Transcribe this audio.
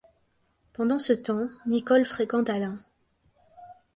Pendant ce temps, Nicole fréquente Alain.